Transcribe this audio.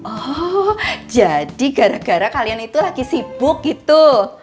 oh jadi gara gara kalian itu lagi sibuk gitu